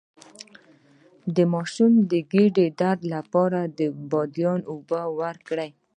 د ماشوم د ګیډې درد لپاره د بادیان اوبه ورکړئ